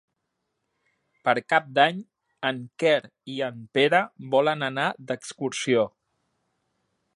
Per Cap d'Any en Quer i en Pere volen anar d'excursió.